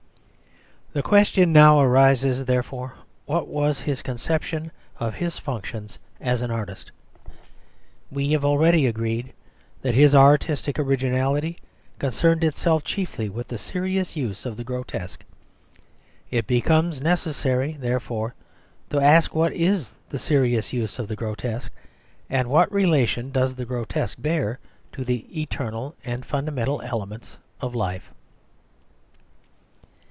The question now arises, therefore, what was his conception of his functions as an artist? We have already agreed that his artistic originality concerned itself chiefly with the serious use of the grotesque. It becomes necessary, therefore, to ask what is the serious use of the grotesque, and what relation does the grotesque bear to the eternal and fundamental elements in life?